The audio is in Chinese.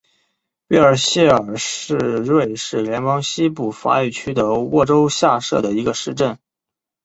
贝尔谢尔是瑞士联邦西部法语区的沃州下设的一个市镇。